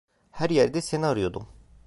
Her yerde seni arıyordum.